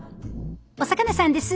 お魚さんです。